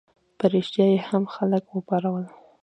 په ریشتیا یې هم خلک وپارول.